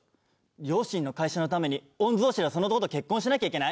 両親の会社のために御曹司のその男と結婚しなきゃいけない！？